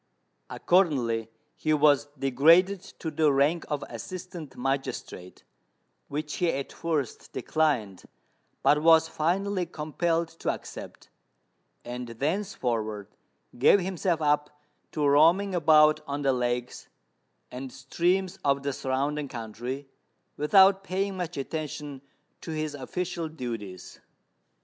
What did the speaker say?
Accordingly, he was degraded to the rank of Assistant Magistrate, which he at first declined, but was finally compelled to accept; and thenceforward gave himself up to roaming about on the lakes and streams of the surrounding country, without paying much attention to his official duties.